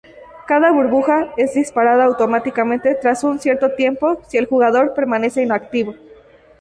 Cada burbuja es disparada automáticamente tras un cierto tiempo si el jugador permanece inactivo.